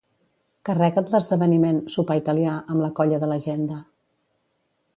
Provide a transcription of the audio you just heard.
Carrega't l'esdeveniment "sopar italià" amb la colla de l'agenda.